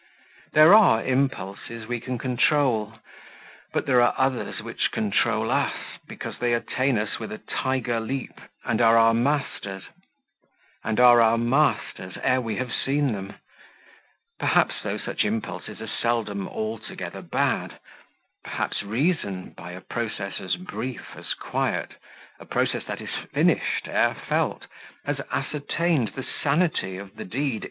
There are impulses we can control; but there are others which control us, because they attain us with a tiger leap, and are our masters ere we have seen them. Perhaps, though, such impulses are seldom altogether bad; perhaps Reason, by a process as brief as quiet, a process that is finished ere felt, has ascertained the sanity of the deed.